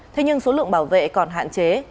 thế nhưng số lượng bảo vệ còn hạn chế